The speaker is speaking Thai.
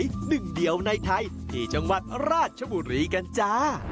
เปลือกหอยหนึ่งเดียวในไทยที่จังหวัดราชบุรีกันจ๊ะ